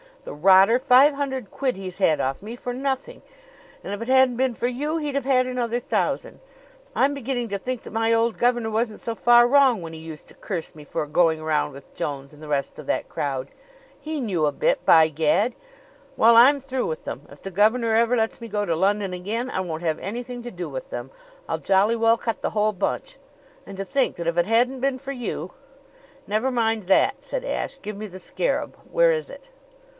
The rotter! Five hundred quid he's had off me for nothing! And, if it hadn't been for you, he'd have had another thousand! I'm beginning to think that my old governor wasn't so far wrong when he used to curse me for going around with Jones and the rest of that crowd. He knew a bit, by Gad! Well, I'm through with them. If the governor ever lets me go to London again, I won't have anything to do with them. I'll jolly well cut the whole bunch! And to think that, if it hadn't been for you ..." "Never mind that," said Ashe. "Give me the scarab. Where is it?"